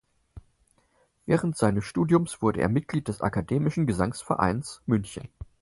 Während seines Studiums wurde er Mitglied des Akademischen Gesangvereins München.